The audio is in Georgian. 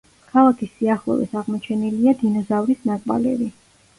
ქალაქის სიახლოვეს აღმოჩენილია დინოზავრის ნაკვალევი.